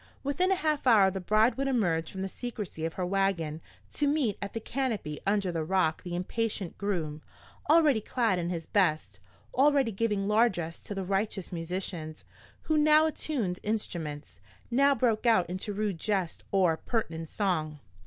Within a half hour the bride would emerge from the secrecy of her wagon to meet at the canopy under the Rock the impatient groom, already clad in his best, already giving largess to the riotous musicians, who now attuned instruments, now broke out into rude jests or pertinent song.